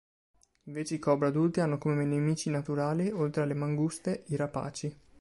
Invece i cobra adulti hanno come nemici naturali, oltre alle manguste, i rapaci.